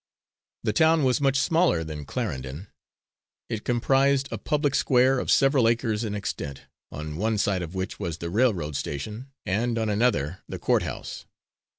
The town was much smaller than Clarendon. It comprised a public square of several acres in extent, on one side of which was the railroad station, and on another the court house.